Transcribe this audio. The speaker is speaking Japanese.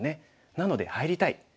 なので入りたい。